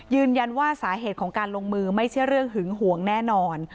ยืนยันว่าสาเหตุของการลงมือไม่ใช่เรื่องหึงหวงแน่นอน